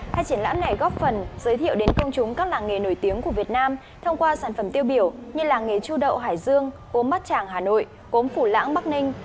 hai triển lãm này góp phần giới thiệu đến công chúng các làng nghề nổi tiếng của việt nam thông qua sản phẩm tiêu biểu như làng nghề chu đậu hải dương gốm bát tràng hà nội gốm phủ lãng bắc ninh